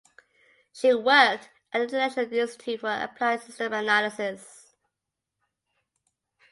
She worked at the International Institute for Applied Systems Analysis.